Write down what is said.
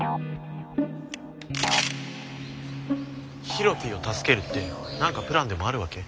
ヒロピーを助けるって何かプランでもあるわけ？